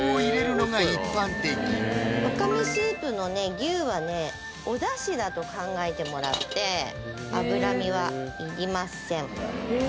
牛はねおだしだと考えてもらって脂身は要りません